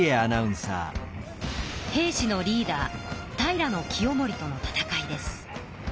平氏のリーダー平清盛との戦いです。